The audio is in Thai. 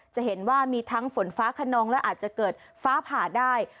จะเห็นว่ามีทั้งฝนฟ้าขนองและอาจจะเกิดฟ้าผ่าได้